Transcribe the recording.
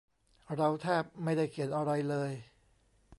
เราแทบไม่ได้เขียนอะไรเลย